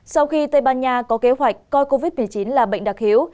sau khi tây ban nha có kế hoạch coi covid một mươi chín là bệnh đặc hiếu